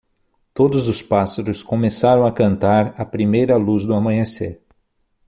Todos os pássaros começaram a cantar à primeira luz do amanhecer.